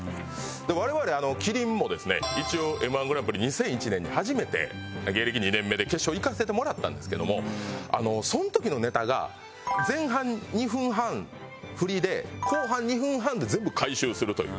我々麒麟もですね一応Ｍ−１グランプリ２００１年に初めて芸歴２年目で決勝いかせてもらったんですけどもその時のネタが前半２分半フリで後半２分半で全部回収するという。